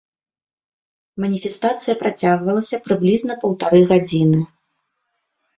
Маніфестацыя працягвалася прыблізна паўтары гадзіны.